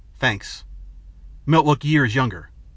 Thanks." Milt looked years younger.